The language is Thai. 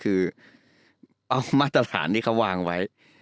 เอามัตรฐานที่เค้าวางไว้